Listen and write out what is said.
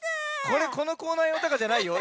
これこのコーナーようとかじゃないよ。